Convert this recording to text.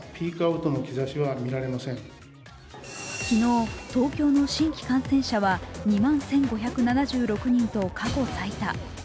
昨日、東京の新規感染者は２万１５７６人と過去最多。